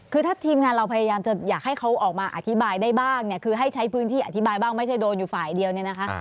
คือถ้าทีมงานเราพยายามจะอยากให้เขาออกมาอธิบายได้บ้างเนี่ยคือให้ใช้พื้นที่อธิบายบ้างไม่ใช่โดนอยู่ฝ่ายเดียวเนี่ยนะคะ